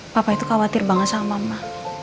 papa itu khawatir banget sama mama